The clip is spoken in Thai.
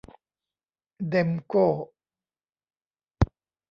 เด็มโก้